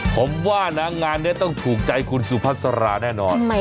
ผมว่าน้างงานเนี่ยต้องถูกใจคุณสุภาสัราแน่นอน